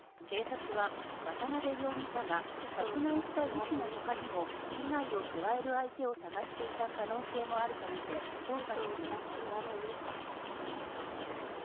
警察は渡辺容疑者が殺害した医師の他にも被害を加える相手を探していた可能性もあるとみて捜査しています。